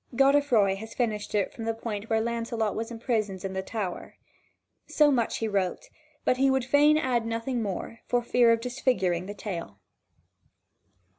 Godefroi has finished it from the point where Lancelot was imprisoned in the tower. So much he wrote; but he would fain add nothing more, for fear of disfiguring the tale.